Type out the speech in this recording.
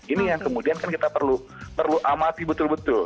ini yang kemudian kan kita perlu amati betul betul